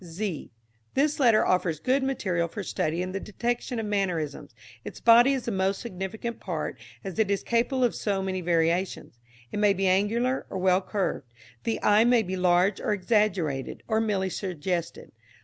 z. This letter offers good material for study and the detection of mannerisms. Its body is the most significant part, as it is capable of so many variations. It may be angular or well curved; the eye may be large or exaggerated or merely suggested.